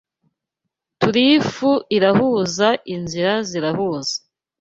Turifu irahuza, inzira zirahuza